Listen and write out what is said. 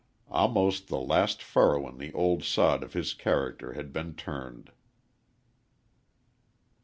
Almost the last furrow in the old sod of his character had been turned.